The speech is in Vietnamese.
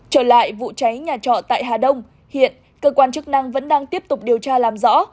trở lại vụ cháy nhà trọ tại hà đông hiện cơ quan chức năng vẫn đang tiếp tục điều tra làm rõ